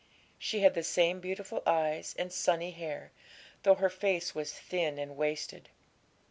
She had the same beautiful eyes and sunny hair, though her face was thin and wasted.